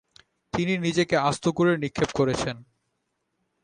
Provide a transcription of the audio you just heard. তিনি নিজেকে আস্তাকুঁড়ে নিক্ষেপ করেছেন।